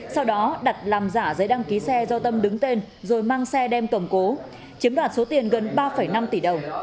sau đó đặt làm giả giấy đăng ký xe do tâm đứng tên rồi mang xe đem cầm cố chiếm đoạt số tiền gần ba năm tỷ đồng